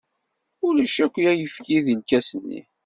Ulac akk ayefki deg lkas-nni.